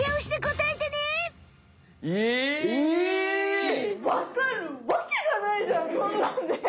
わかるわけがないじゃんこんなんで！